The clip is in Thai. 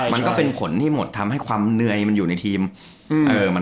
มันก็เป็นผลให้หมดทำให้ความเหนื่อยมันอยู่ในทีม